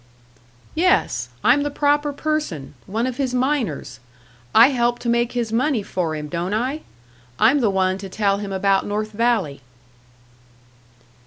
_" "Yes! I'm the proper person one of his miners! I help to make his money for him, don't I? I'm the one to tell him about North Valley."